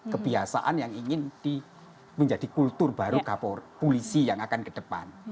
kebiasaan yang ingin menjadi kultur baru polisi yang akan ke depan